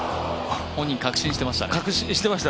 本人、確信してましたね。